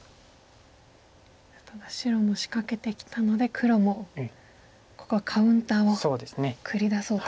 ただ白も仕掛けてきたので黒もここはカウンターを繰り出そうと。